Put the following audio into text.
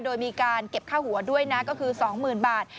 โดยมีการเก็บค่าหัวด้วยนะก็คือ๒๐๐๐บาท